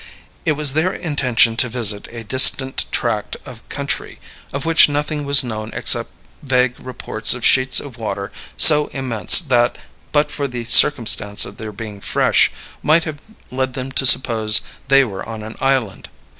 It was their intention to visit a distant tract of country, of which nothing was known except vague reports of sheets of water so immense that, but for the circumstance of their being fresh, might have led them to suppose they were on an island.